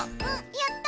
やった！